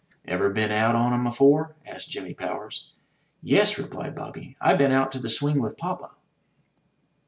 *'Ever been out on 'em afore?'' asked Jimmy Powers. '*Yes," replied Bobby; "I been out to the swing with Papa."